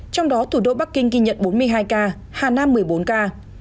trong đó thủ đô bắc kinh ghi nhận bốn mươi hai ca hà nam một mươi bốn ca